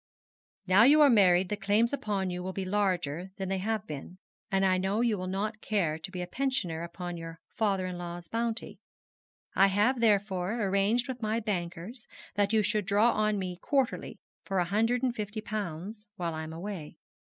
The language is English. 'Now you are married the claims upon you will be larger than they have been, and I know you will not care to be a pensioner upon your father in law's bounty. I have, therefore, arranged with my bankers that you should draw on me quarterly for a hundred and fifty pounds while I am away.